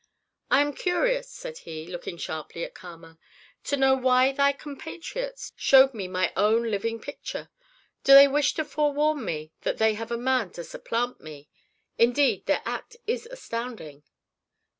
"I am curious," said he, looking sharply at Kama, "to know why thy compatriots showed me my own living picture. Do they wish to forewarn me that they have a man to supplant me? Indeed, their act is astounding."